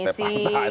akademisi gitu kan